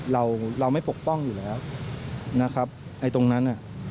เราไม่ปกป้องอยู่แล้วนะครับในตรงนั้น